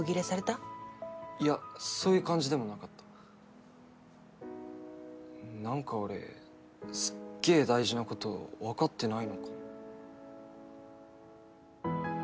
いやそういう感じでもなかったなんか俺すっげえ大事なことわかってないのかな？